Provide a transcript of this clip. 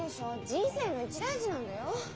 人生の一大事なんだよ。